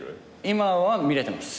今は見れてます。